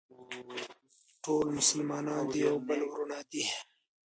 ټول مسلمانان د یو بل وروڼه دي.